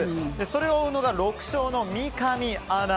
それを追うのが６勝の三上アナ。